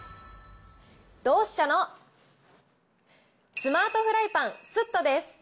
ドウシシャのスマートフライパンスットです。